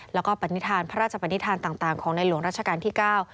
แล้วก็ปณิธานพระราชปนิษฐานต่างต่างของในหลวงราชการที่เก้า